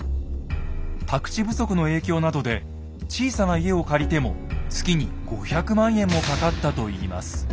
宅地不足の影響などで小さな家を借りても月に５００万円もかかったといいます。